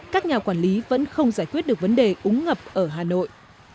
các nhà quản lý vẫn không giải quyết được vấn đề úng ngập ở hà nội